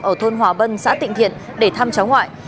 ở thôn hòa vân xã tịnh thiện để thăm cháu ngoại